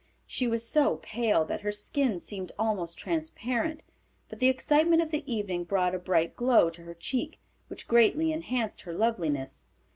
She was so pale that her skin seemed almost transparent, but the excitement of the evening brought a bright glow to her cheek which greatly enhanced her loveliness.